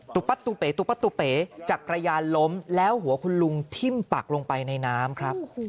ตูเป๋ตุ๊เป๋จักรยานล้มแล้วหัวคุณลุงทิ้มปักลงไปในน้ำครับ